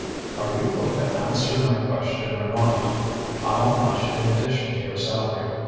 ŌĆØ ŌĆ£Are you going to answer my question or not? How much in addition to your salary?